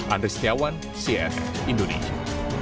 andri setiawan cna indonesia